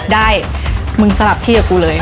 ได้มึงสลับที่กับกูเลย